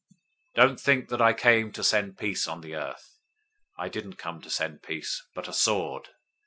010:034 "Don't think that I came to send peace on the earth. I didn't come to send peace, but a sword.